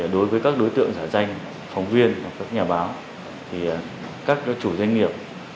đối với các đối tượng giả danh phóng viên các nhà báo thì các chủ doanh nghiệp